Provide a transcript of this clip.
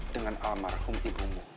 dengan almarhum ibumu